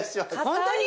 ホントに？